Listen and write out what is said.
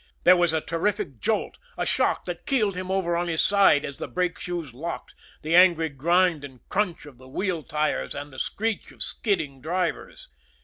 There was a terrific jolt, a shock that keeled him over on his side as the brake shoes locked, the angry grind and crunch of the wheel tires, and the screech of skidding drivers.